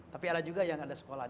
tapi ada juga yang ada sekolah